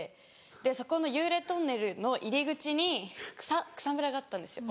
でそこの幽霊トンネルの入り口に草むらがあったんですよ。